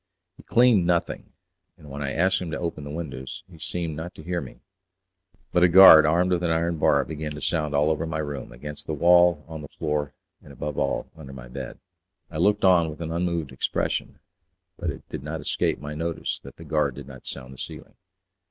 He cleaned nothing, and when I asked him to open the windows he seemed not to hear me; but a guard armed with an iron bar began to sound all over my room, against the wall, on the floor, and above all under my bed. I looked on with an unmoved expression, but it did not escape my notice that the guard did not sound the ceiling.